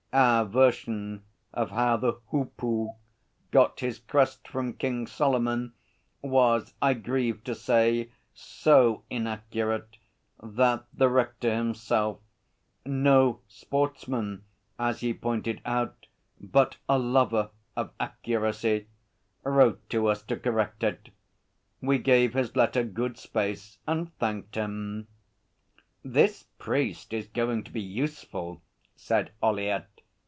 Our version of how the hoopoe got his crest from King Solomon was, I grieve to say, so inaccurate that the Rector himself no sportsman as he pointed out, but a lover of accuracy wrote to us to correct it. We gave his letter good space and thanked him. 'This priest is going to be useful,' said Ollyett.